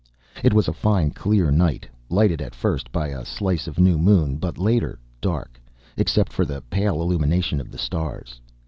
It was a fine, clear night, lighted, at first, by a slice of new moon; but later, dark, except for the pale illumination of the stars.